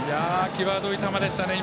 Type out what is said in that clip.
際どい球でしたね。